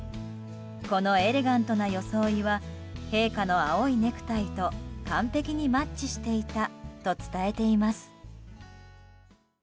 このエレガントな装いは陛下の青いネクタイと完璧にマッチしていたと伝えています。